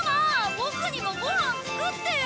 ボクにもご飯作ってよ！